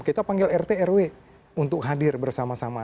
kita panggil rt rw untuk hadir bersama sama